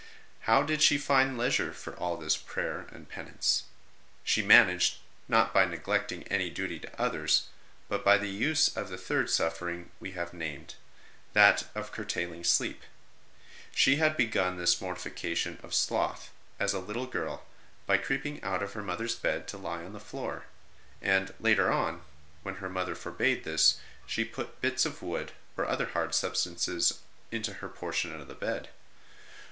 How did she find leisure for all this prayer and penance? She managed, not by neglecting any duty to others, but by the use of the third suffer ing we have named, that of curtailing sleep. She had begun this mortification of sloth as a little girl, by creeping out of her mother s bed to lie on the floor ; and, later on, when her mother forbade this, she put bits of wood or other hard substances into her portion of the bed.